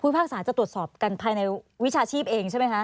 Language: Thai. ภาคศาจะตรวจสอบกันภายในวิชาชีพเองใช่ไหมคะ